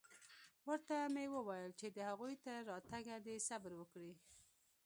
ورته مې وويل چې د هغوى تر راتگه دې صبر وکړي.